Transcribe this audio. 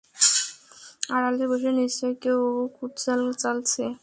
আড়ালে বসে নিশ্চয়ই কেউ কুটচাল চালছে!